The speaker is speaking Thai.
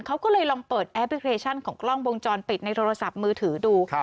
เขาก็เลยลองเปิดแอปพลิเคชันของกล้องวงจรปิดในโทรศัพท์มือถือดู